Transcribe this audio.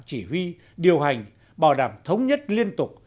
giải quy điều hành bảo đảm thống nhất liên tục